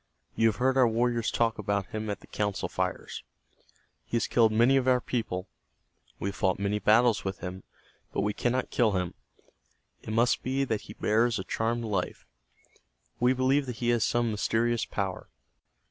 You have heard our warriors talk about him at the council fires. He has killed many of our people. We have fought many battles with him, but we cannot kill him. It must be that he bears a charmed life. We believe that he has some mysterious power.